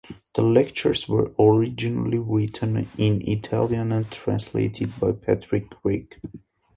The lectures were originally written in Italian and translated by Patrick Creagh.